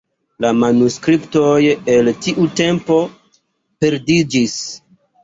La manuskriptoj el tiu tempo perdiĝis.